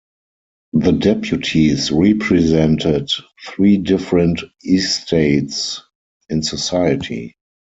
The deputies represented three different "estates" in society.